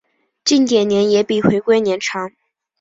近点年也比回归年长。